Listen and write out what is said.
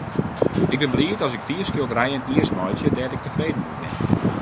Ik bin bliid as ik fiif skilderijen jiers meitsje dêr't ik tefreden oer bin.